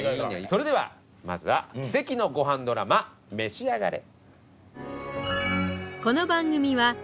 それではまずは奇跡のごはんドラマ召し上がれ。